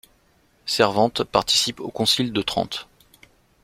Cervantes participe au concile de Trente.